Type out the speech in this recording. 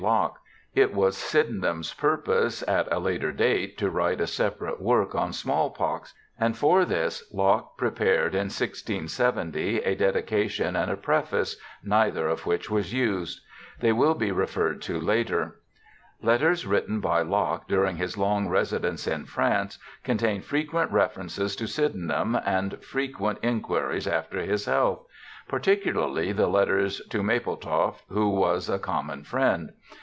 Locke.' It was Sydenham's pur pose at a later date to write a separate work on small pox, and for this Locke prepared in 1670 a dedication and a preface, neither of which was used. They will be referred to later. Letters written by Locke during his long residence in France contain frequent references to Sydenham and frequent inquiries after his health ; particularly the letters to Mapletoft, who was a common friend.